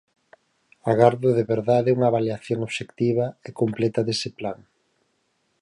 Agardo de verdade unha avaliación obxectiva e completa dese plan.